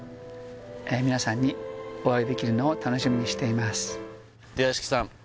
皆さんにお会いできるのを楽しみにしていますではＹＯＳＨＩＫＩさん